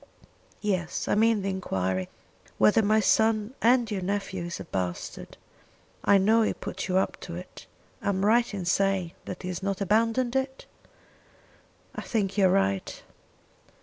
"Yes; I mean the enquiry whether my son and your nephew is a bastard. I know he put you up to it. Am I right in saying that he has not abandoned it?" "I think you are right."